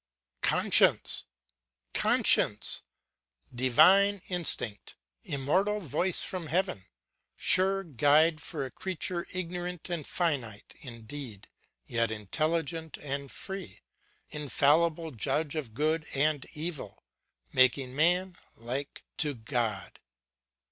Conscience! Conscience! Divine instinct, immortal voice from heaven; sure guide for a creature ignorant and finite indeed, yet intelligent and free; infallible judge of good and evil, making man like to God!